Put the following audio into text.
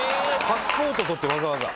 パスポート取ってわざわざ。